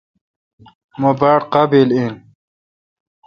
مہ باڑ قابل این۔